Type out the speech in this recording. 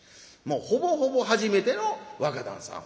ほぼほぼ初めての若旦さん